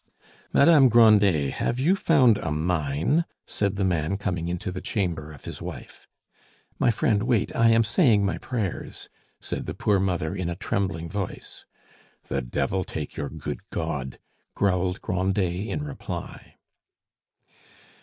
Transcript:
"Madame Grandet, have you found a mine?" said the man, coming into the chamber of his wife. "My friend, wait; I am saying my prayers," said the poor mother in a trembling voice. "The devil take your good God!" growled Grandet in reply.